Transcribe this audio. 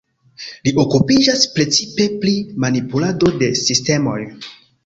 Li okupiĝas precipe pri manipulado de sistemoj.